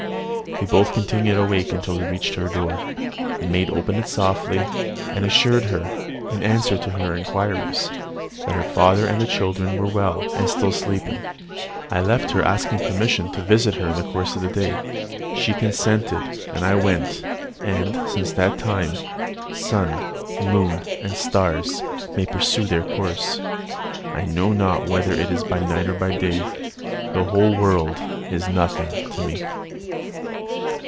We both continued awake till we reached her door. The maid opened it softly, and assured her, in answer to her inquiries, that her father and the children were well, and still sleeping. I left her asking permission to visit her in the course of the day. She consented, and I went, and, since that time, sun, moon, and stars may pursue their course: I know not whether it is day or night; the whole world is nothing to me.